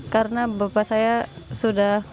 karena bapak saya sudah